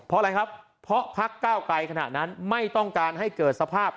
เพราะอะไรครับเพราะพักเก้าไกลขณะนั้นไม่ต้องการให้เกิดสภาพ